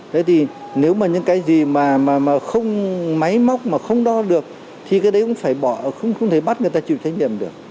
thế thì nếu mà những cái gì mà không máy móc mà không đo được thì cái đấy cũng phải bỏ không thể bắt người ta chịu trách nhiệm được